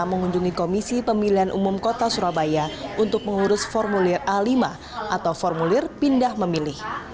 mengunjungi komisi pemilihan umum kota surabaya untuk mengurus formulir a lima atau formulir pindah memilih